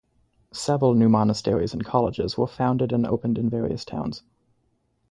Several new monasteries and colleges were founded and opened in various towns.